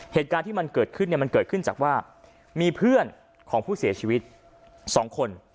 เหตุการณ์ที่มันเกิดขึ้นเนี่ยมันเกิดขึ้นจากว่ามีเพื่อนของผู้เสียชีวิต๒คน